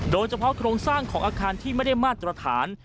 โดยเฉพาะโครงสร้างของอาคารที่ไม่ได้มาตรฐาน